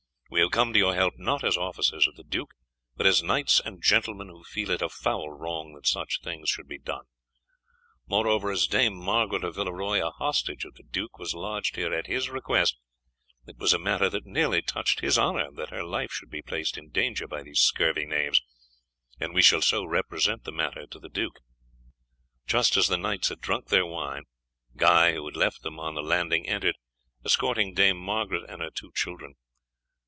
We have come to your help not as officers of the duke, but as knights and gentlemen who feel it a foul wrong that such things should be done. Moreover, as Dame Margaret of Villeroy, a hostage of the duke, was lodged here at his request, it was a matter that nearly touched his honour that her life should be placed in danger by these scurvy knaves, and we shall so represent the matter to the duke." Just as the knights had drunk their wine, Guy, who had left them on the landing, entered, escorting Dame Margaret and her two children.